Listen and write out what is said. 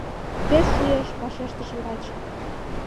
— Пеш шуэш, - вашештыш врач.